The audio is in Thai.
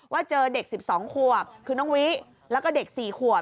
ว่าเจอเด็กสิบสองขวบคือน้องวิแล้วก็เด็กสี่ขวบ